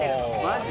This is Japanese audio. マジ？